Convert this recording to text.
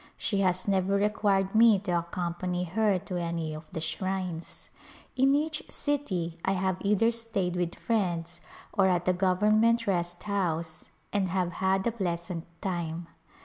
She has never required me to accompany her to any of the shrines. In each city I have either stayed with friends or at the Government Rest House, and have had a pleasant time.